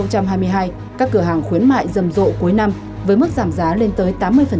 các cửa hàng khuyến mại rầm rộ cuối năm với mức giảm giá lên tới tám mươi